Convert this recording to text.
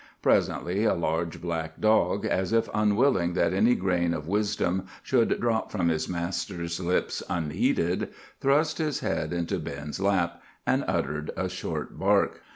Presently a large black dog, as if unwilling that any grain of wisdom should drop from his master's lips unheeded, thrust his head into Ben's lap, and uttered a short bark.